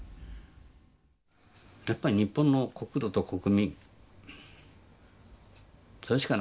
やっぱり日本の国土と国民それしかないですよ。